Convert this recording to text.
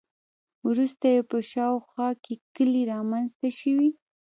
وروسته یې په شاوخوا کې کلي رامنځته شوي.